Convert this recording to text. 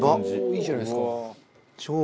「いいじゃないですか」